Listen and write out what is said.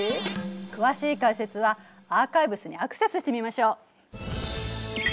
詳しい解説はアーカイブスにアクセスしてみましょう。